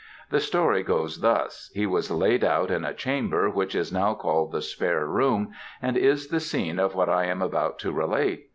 The story goes thus, he was laid out in a chamber which is now called the spare room, and is the scene of what I am about to relate.